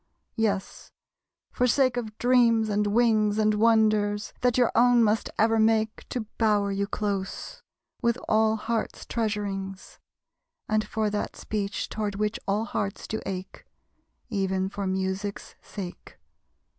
Yes, for sake of dreams and wings, And wonders, that your own must ever make To bower you close, with all hearts' treasurings; And for that speech toward which all hearts do ache; Even for Music's sake.